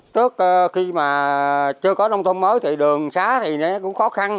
trước khi mà chưa có nông thôn mới thì đường xá thì nó cũng khó khăn